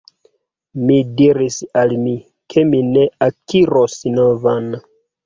Mi diris al mi, ke mi ne akiros novan.